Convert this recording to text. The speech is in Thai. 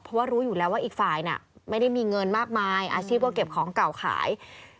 เพราะว่ารู้อยู่แล้วว่าอีกฝ่ายน่ะไม่ได้มีเงินมากมายอาชีพก็เก็บของเก่าขาย